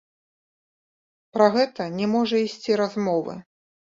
Пра гэта не можа ісці размовы!